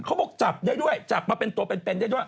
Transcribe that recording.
เขาบอกจับได้ด้วยจับมาเป็นตัวเป็นได้ด้วย